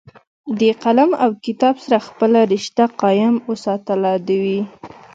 د قلم او کتاب سره خپله رشته قائم اوساتله دوي